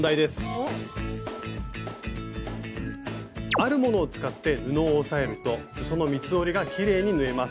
あるものを使って布を押さえるとすその三つ折りがきれいに縫えます。